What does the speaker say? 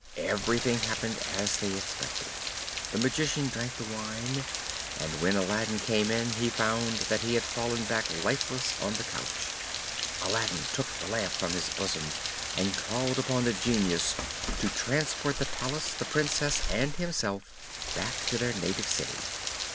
Everything happened as they expected; the Magician drank the wine, and when Aladdin came in, he found that he had fallen back lifeless on the couch. Aladdin took the Lamp from his bosom, and called upon the Genius to transport the Palace, the Princess, and himself, back to their native city.